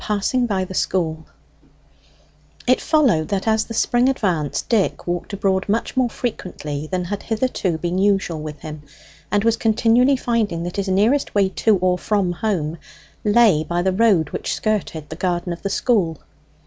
PASSING BY THE SCHOOL It followed that, as the spring advanced, Dick walked abroad much more frequently than had hitherto been usual with him, and was continually finding that his nearest way to or from home lay by the road which skirted the garden of the school.